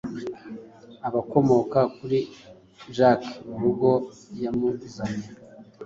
Abakomoka kuri jake murugo yamuzanye